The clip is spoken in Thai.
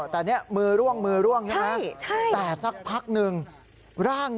แต่เนี่ยมือร่วงใช่ไหมแต่สักพักหนึ่ง